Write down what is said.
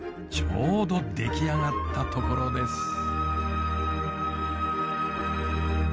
ちょうど出来上がったところです。